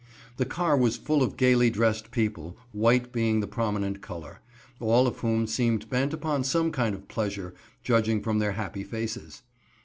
The car was full of gaily dressed people, white being the prominent color, all of whom seemed bent upon some kind of pleasure, judging from their happy faces.